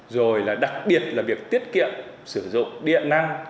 rồi là đặc biệt là việc tiết kiệm sử dụng điện năng